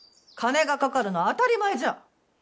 金がかかるのは当たり前じゃ。